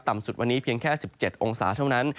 สุดวันนี้เพียงแค่๑๗องศาเท่านั้น